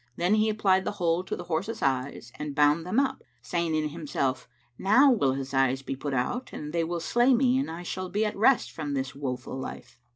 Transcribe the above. Then he applied the whole to the horse's eyes and bound them up, saying in himself, "Now will his eyes be put out and they will slay me and I shall be at rest from this woe full life."